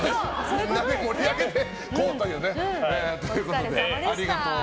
みんなで盛り上げていこうということでね。